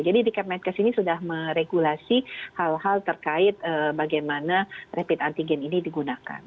jadi di kpnk ini sudah meregulasi hal hal terkait bagaimana rapid antigen ini digunakan